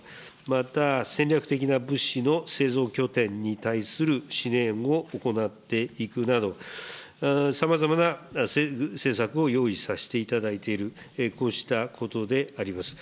また戦略的な物資の製造拠点に対する支援を行っていくなど、さまざまな政策を用意させていただいている、こうしたことであります。